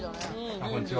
こんにちは。